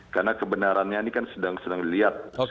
karena kebenarannya ini kan sedang sedang dilihat